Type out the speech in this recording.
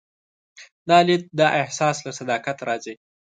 دا لید د احساس له صداقت راځي.